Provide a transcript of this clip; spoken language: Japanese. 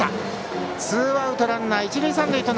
ツーアウトランナー、一塁三塁。